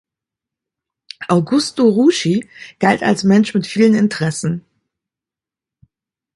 Augusto Ruschi galt als Mensch mit vielen Interessen.